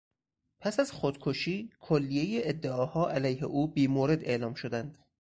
پس از خودکشی، کلیهی ادعاها علیه او بیمورد اعلام شدند.